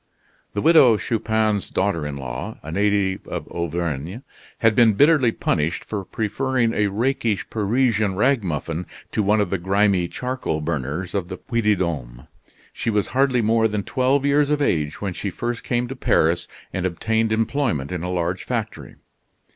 The Widow Chupin's daughter in law, a native of Auvergne, had been bitterly punished for preferring a rakish Parisian ragamuffin to one of the grimy charcoal burners of the Puy de Dome. She was hardly more than twelve years of age when she first came to Paris and obtained employment in a large factory.